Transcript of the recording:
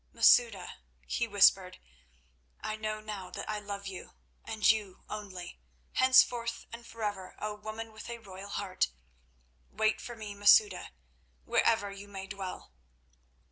"Masouda," he whispered, "I know now that I love you and you only, henceforth and forever, O woman with a royal heart. Wait for me, Masouda, wherever you may dwell."